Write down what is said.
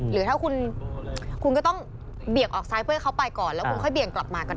หรือถ้าคุณก็ต้องเบี่ยงออกซ้ายเพื่อให้เขาไปก่อนแล้วคุณค่อยเบี่ยงกลับมากันต่อ